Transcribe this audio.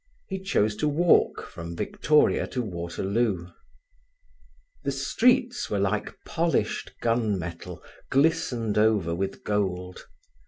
He chose to walk from Victoria to Waterloo. The streets were like polished gun metal glistened over with gold.